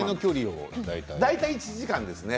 大体１時間です。